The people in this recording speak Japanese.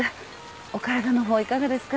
お体の方いかがですか？